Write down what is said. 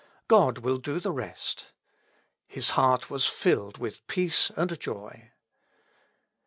God will do the rest. His heart was filled with peace and joy.